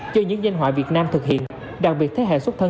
do những danh họa việt nam thực hiện đặc biệt thế hệ xuất thân